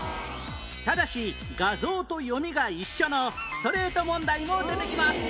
ただし画像と読みが一緒のストレート問題も出てきます